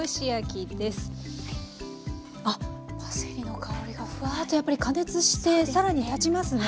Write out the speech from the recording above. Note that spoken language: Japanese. あっパセリの香りがフワーッとやっぱり加熱して更に立ちますね。